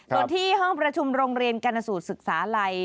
ตอนที่ห้องประชุมโรงเรียนการสูตรศึกษาอะไร